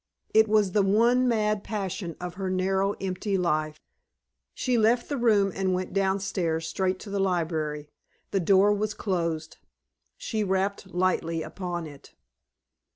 It was the one mad passion of her narrow, empty life. She left the room and went down stairs straight to the library. The door was closed. She rapped lightly upon it.